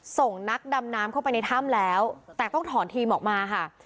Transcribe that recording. ส่งนักดำน้ำเข้าไปในถ้ำแล้วแต่ต้องถอนทีมออกมาค่ะ